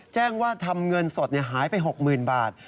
แจ้งว่าทำเงินสดหายไป๖๐๐๐บาท